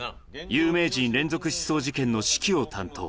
有名人連続失踪事件の指揮を担当。